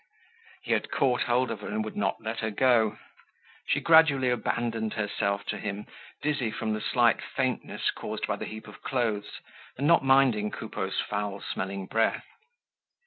He had caught hold of her and would not let her go. She gradually abandoned herself to him, dizzy from the slight faintness caused by the heap of clothes and not minding Coupeau's foul smelling breath.